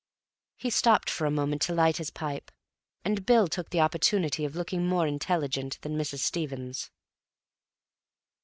He stopped for a moment to light his pipe, and Bill took the opportunity of looking more intelligent than Mrs. Stevens.